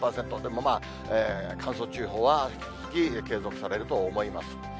でもまあ、乾燥注意報は引き続き継続されると思います。